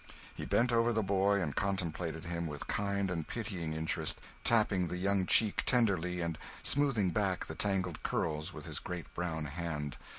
He bent over the boy and contemplated him with kind and pitying interest, tapping the young cheek tenderly and smoothing back the tangled curls with his great brown hand.